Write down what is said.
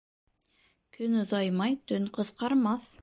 Көн оҙаймай төн ҡыҫҡармаҫ.